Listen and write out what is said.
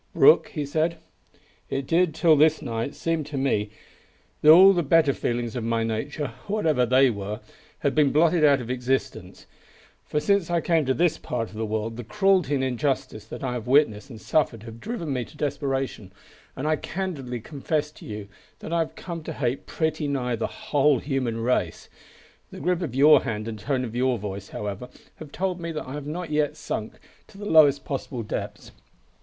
"Brooke," he said, "it did, till this night, seem to me that all the better feelings of my nature whatever they were had been blotted out of existence, for since I came to this part of the world the cruelty and injustice that I have witnessed and suffered have driven me to desperation, and I candidly confess to you that I have come to hate pretty nigh the whole human race. The grip of your hand and tone of your voice, however, have told me that I have not yet sunk to the lowest possible depths.